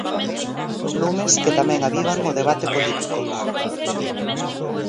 Lumes que tamén avivan o debate político.